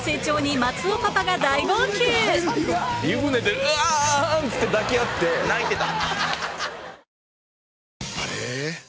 湯船でウワンって抱き合って泣いてた。